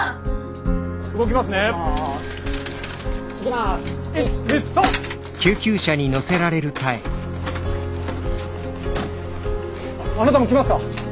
あなたも来ますか？